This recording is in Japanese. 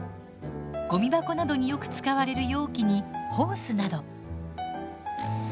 ゴミ箱などによく使われる容器にホースなど。